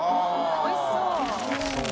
味戞おいしそう！